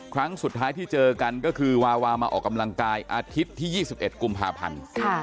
ครั้งสุดท้ายที่เจอกันก็คือวาวามาออกกำลังกายอาทิตย์ที่๒๑กุมภาพันธ์